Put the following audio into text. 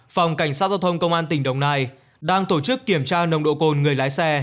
phòng cảnh sát giao thông công an tỉnh đồng nai đang tổ chức kiểm tra nồng độ cồn người lái xe